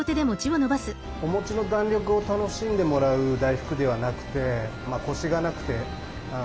お餅の弾力を楽しんでもらう大福ではなくて。